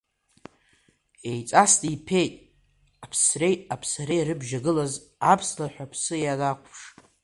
Еиҵасны иԥеит, аԥсреи абзареи ирыбжьагылаз аԥслаҳә аԥсы ианақәԥш.